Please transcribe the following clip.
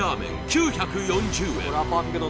９４０円